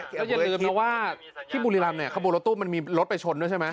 แล้วอย่าลืมนะว่าที่บุรีรำเนี่ยขบวนรถตู้มันมีรถไปชนด้วยใช่ไหม